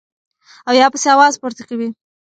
او يا پسې اواز پورته کوي -